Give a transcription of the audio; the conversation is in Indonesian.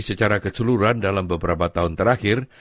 secara keseluruhan dalam beberapa tahun terakhir